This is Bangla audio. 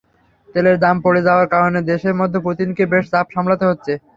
তেলের দাম পড়ে যাওয়ার কারণে দেশের মধ্যে পুতিনকে বেশ চাপ সামলাতে হচ্ছে।